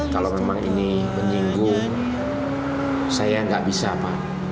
kalau memang ini menyinggung saya nggak bisa pak